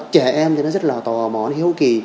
mẹ em thì nó rất là tò mò hiếu kì